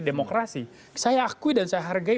demokrasi saya akui dan saya hargai